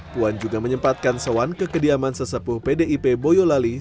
puan juga menyempatkan sewan ke kediaman sesepuh pdip boyolali